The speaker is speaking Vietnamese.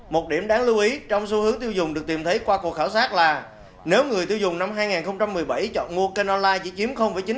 một điểm đáng lưu ý trong xu hướng tiêu dùng được tìm thấy qua cuộc khảo sát là nếu người tiêu dùng năm hai nghìn một mươi bảy chọn mua kênh online chỉ chiếm chín